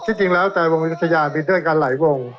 ที่จริงแล้วแต่วงอยุธยามีด้วยการไหลวง